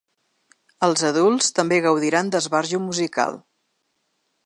Els adults també gaudiran d’esbarjo musical.